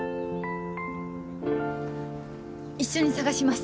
一緒に捜します。